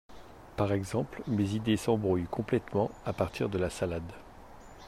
Par exemple, mes idées s’embrouillent complètement à partir de la salade !